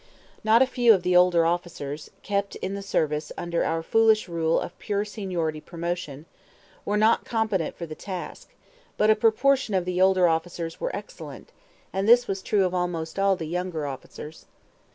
Not a few of the older officers, kept in the service under our foolish rule of pure seniority promotion, were not competent for the task; but a proportion of the older officers were excellent, and this was true of almost all the younger officers.